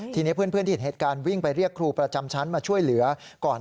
ทีนี้เพื่อนที่เห็นเหตุการณ์วิ่งไปเรียกครูประจำชั้นมาช่วยเหลือก่อน